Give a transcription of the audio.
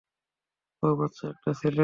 ও বাচ্চা একটা ছেলে!